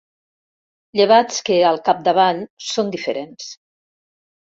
Llevats que, al capdavall, són diferents.